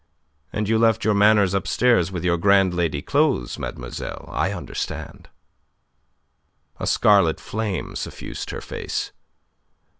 "And you left your manners upstairs with your grand lady clothes, mademoiselle. I understand." A scarlet flame suffused her face.